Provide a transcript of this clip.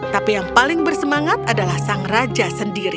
tapi yang paling bersemangat adalah sang raja sendiri